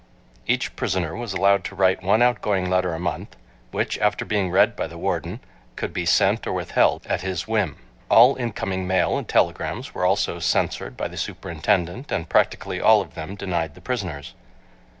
Each prisoner was allowed to write one outgoing letter a month, which, after being read by the warden, could be sent or withheld at his whim. All incoming mail and telegrams were also censored by the Superintendent and practically all of them denied the prisoners.